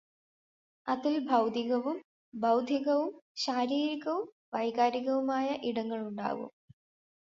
അതിൽ ഭൗതികവും, ബൗദ്ധികവും, ശാരീരികവും, വൈകാരികവുമായ ഇടങ്ങളുണ്ടാവാം.